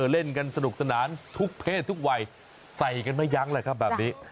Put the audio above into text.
เล่นกันสนุกสนานทุกเพศทุกวัยใส่กันไม่ยั้งเลยครับแบบนี้